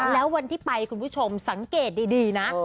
แล้ววันที่ไปคุณผู้ชมสังเกตดีนะ